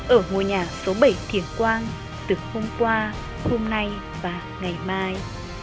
ở ngôi nhà số bảy thiền quang từ hôm qua hôm nay và ngày mai